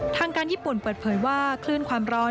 ทางการญี่ปุ่นเปิดเผยว่าคลื่นความร้อน